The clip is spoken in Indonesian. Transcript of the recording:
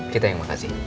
kita yang makasih